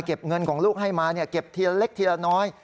เก็บเงินของลูกให้มาเนี่ยเก็บทีละเล็กทีละน้อย